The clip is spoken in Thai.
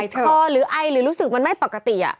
คอหรือไอหรือรู้สึกมันไม่ปกติ